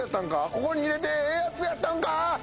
ここに入れてええやつやったんか？